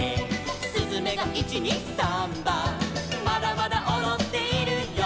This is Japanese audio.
「すずめが１・２・サンバ」「まだまだおどっているよ」